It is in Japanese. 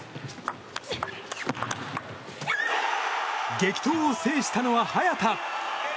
激闘を制したのは、早田。